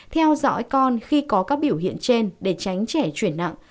theo dõi con khi có các biểu hiện trên để tránh trẻ chuyển nặng